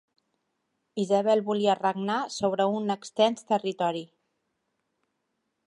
Isabel volia regnar sobre un extens territori.